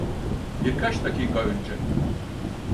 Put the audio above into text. Birkaç dakika önce.